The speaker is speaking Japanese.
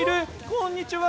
こんにちは。